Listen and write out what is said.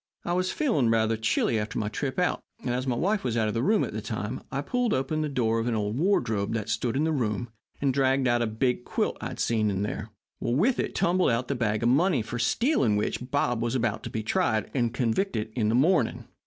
I was feeling rather chilly after my trip out, and, as my wife was out of the room at the time, I pulled open the door of an old wardrobe that stood in the room and dragged out a big quilt I had seen in there. With it tumbled out the bag of money for stealing which Bob was to be tried and convicted in the morning.